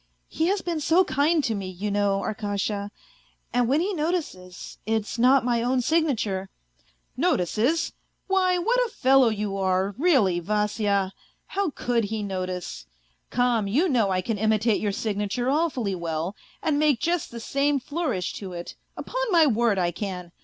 he has been so kind to me, you know, Ar kasha, and when he notices it's not my own signature " Notices ! why, what a fellow you are, really, Vasya ! How could he notice ?... Come, you know I can imitate your signature awfully well, and make just the same flourish to it, upon my word I can.